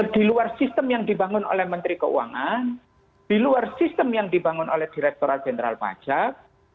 di luar sistem yang dibangun oleh menteri keuangan di luar sistem yang dibangun oleh direkturat jenderal pajak